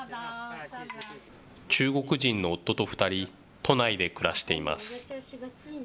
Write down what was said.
中国人の夫と２人、都内で暮らしています。